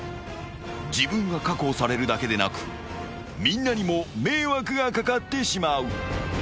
［自分が確保されるだけでなくみんなにも迷惑が掛かってしまう］